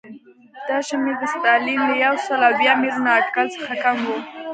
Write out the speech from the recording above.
دا شمېر د ستالین له یو سل اویا میلیونه اټکل څخه کم و